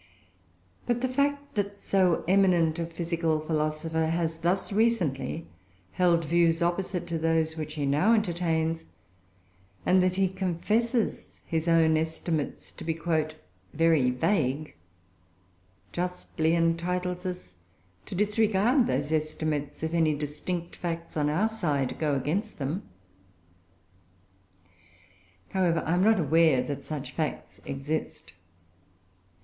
But the fact that so eminent a physical philosopher has, thus recently, held views opposite to those which he now entertains, and that he confesses his own estimates to be "very vague," justly entitles us to disregard those estimates, if any distinct facts on our side go against them. However, I am not aware that such facts exist.